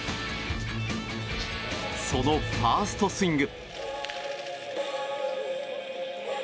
そのファーストスイング。